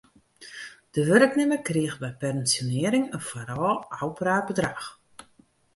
De wurknimmer kriget by pensjonearring in foarôf ôfpraat bedrach.